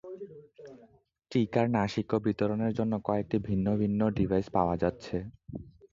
টিকার নাসিক্য বিতরণের জন্য কয়েকটি ভিন্ন ভিন্ন ডিভাইস পাওয়া যাচ্ছে।